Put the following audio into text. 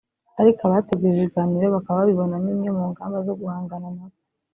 ariko abateguye ibi biganiro bakaba babibonamo imwe mu ngamba zo guhangana na bo